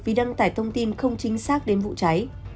vì đăng tải thông tin không chính xác đến vụ cháy